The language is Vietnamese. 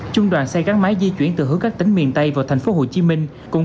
trung đoàn xe gắn máy di chuyển từ hướng các tỉnh miền tây vào thành phố hồ chí minh